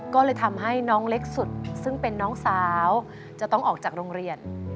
ก็เลยทำให้น้องเล็กสุดซึ่งเป็นน้องสาวจะต้องออกจากโรงเรียน